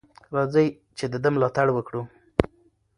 راځئ چې د ده ملاتړ وکړو.